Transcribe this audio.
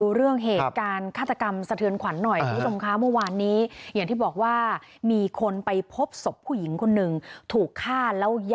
ดูเรื่องเหตุการณ์ฆาตกรรมสะเทือนขวัญหน่อย